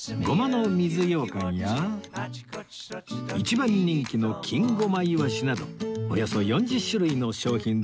ごまの水ようかんや一番人気の金ごまいわしなどおよそ４０種類の商品